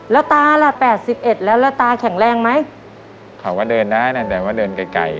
แล้วตาล่ะแปดสิบเอ็ดแล้วแล้วตาแข็งแรงไหมเขาก็เดินได้นะแต่ว่าเดินไกลไกล